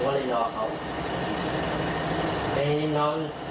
เขาเลยถามจะไปไหมถ้าไม่ไปยังไปก่อนนะ